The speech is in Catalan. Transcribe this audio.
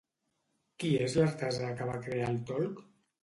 Qui és l'artesà que va crear el Tolc?